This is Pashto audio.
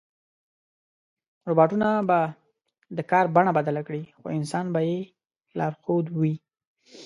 روباټونه به د کار بڼه بدله کړي، خو انسان به یې لارښود وي.